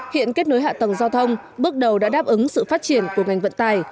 hiện kết nối hạ tầng giao thông bước đầu đã đáp ứng sự phát triển của ngành vận tài